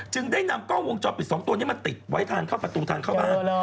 ได้นำกล้องวงจรปิด๒ตัวนี้มาติดไว้ทางเข้าประตูทางเข้าบ้าน